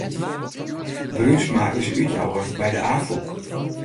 Bruinsma is útjouwer by de Afûk.